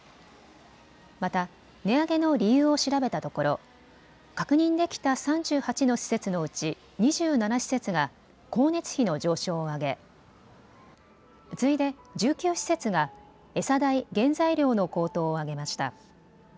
また値上げの理由を調べたところ、確認できた３８の施設のうち２７施設が光熱費の上昇を挙げ、次いで１９施設がえさ代・原材料の高騰を挙げました。